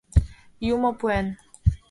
Юмо пуэн!